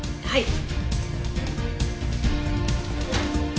はい。